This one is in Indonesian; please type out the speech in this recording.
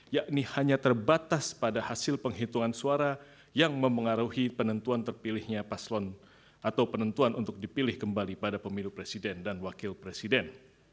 yakni hanya terbatas pada hasil penghitungan suara yang memengaruhi penentuan terpilihnya paslon atau penentuan untuk dipilih kembali pada pemilu presiden dan wakil presiden